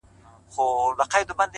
چي ته به يې په کومو صحفو” قتل روا کي”